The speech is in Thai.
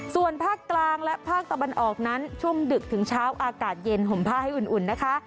ส่วนภาคกลางและภาคตะวันออกนั้นช่วงดึกถึงเช้าอากาศเย็นห่มผ้าให้อุ่นนะคะ